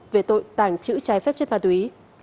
về tội tàng trữ trái phép chất ma túy